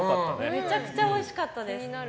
めちゃくちゃおいしかったです。